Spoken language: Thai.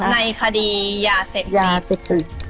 ในคดียาเสพติด